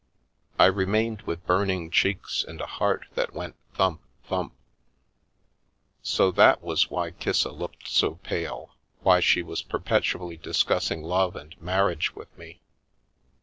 I remained with burning cheeks and a heart that went thump thump. So that was why Kissa looked so pale, why she was perpetually discussing love and marriage with me!